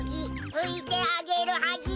拭いてあげるはぎ。